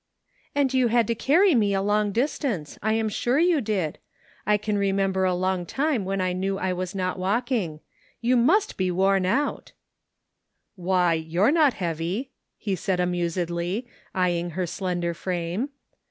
" And you had to carry me a long distance, I am sure you did. I can remember a long time when I know I was not walking. You must be worn out !" 46 THE FINDING OP JASPER HOLT " Why, you're not heavy/' he said amusedly, eyeing her slender frame.